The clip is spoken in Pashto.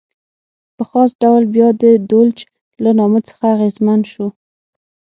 په خاص ډول بیا د دولچ له نامه څخه اغېزمن شو.